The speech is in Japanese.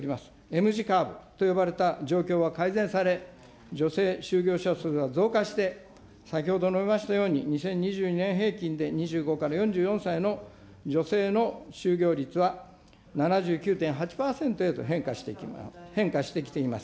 Ｍ字カーブと呼ばれた状況は改善され、女性就業者数が増加して、先ほど述べましたように、２０２２年平均で２５から４４歳の女性の就業率は７９．８％へと変化してきています。